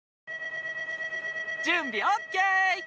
じゅんびオッケー！